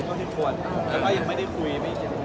ถูกตัวนะเราไม่ได้เป็นเพื่อนผู้ช่วยดีใดแถวสักคน